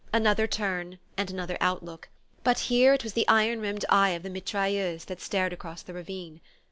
Another turn, and another outlook; but here it was the iron rimmed eye of the mitrailleuse that stared across the ravine.